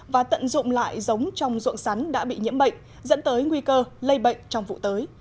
và tận dụng lại giống trong ruộng sắn đã bị nhiễm bệnh dẫn tới nguy cơ lây bệnh trong vụ tới